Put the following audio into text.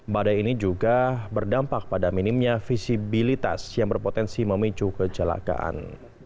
badai ini juga berdampak pada minimnya visibilitas yang berpotensi memicu kecelakaan